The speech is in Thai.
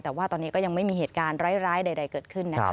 แต่ว่าตอนนี้ก็ยังไม่มีเหตุการณ์ร้ายใดเกิดขึ้นนะคะ